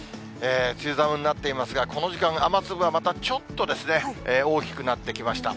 梅雨寒になっていますが、この時間、雨粒はまたちょっと大きくなってきました。